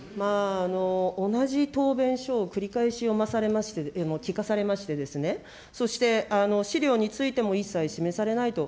同じ答弁書を繰り返し読まされまして、聞かされまして、そして、資料についても一切示されてないと。